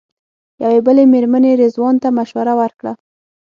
یوې بلې مېرمنې رضوان ته مشوره ورکړه.